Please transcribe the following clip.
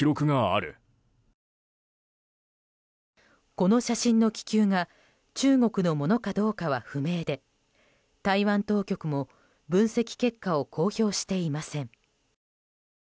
この写真の気球が中国のものかどうかは不明で台湾当局も分析結果を公表していません。